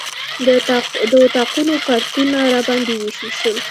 د اتاقونو کارتونه راباندې ووېشل شول.